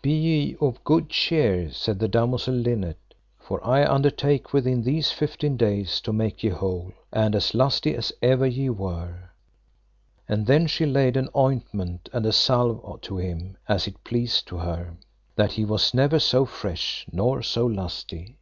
Be ye of good cheer, said the damosel Linet, for I undertake within these fifteen days to make ye whole, and as lusty as ever ye were. And then she laid an ointment and a salve to him as it pleased to her, that he was never so fresh nor so lusty.